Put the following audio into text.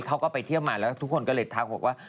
เขาก็ไปเที่ยวมาแล้วทุกคนก็เลยทักบอกว่า